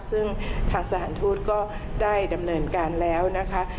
ซึ่งทางสถานทูตก็ได้ดำเนินการแล้วนะคะ